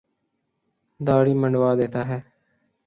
داڑھی منڈوا دیتا ہے۔